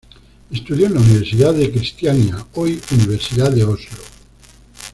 Estudió en la Universidad de Kristiania, hoy Universidad de Oslo.